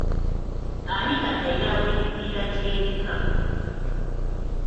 Ani katayira w'emipiira gy'ebika?